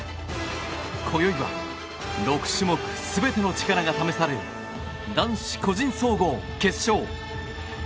今宵は６種目全ての力が試される男子個人総合決勝。